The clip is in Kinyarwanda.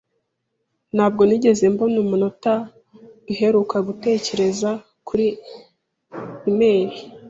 Ntabwo nigeze mbona umunota uheruka gutekereza kuri e-imeri.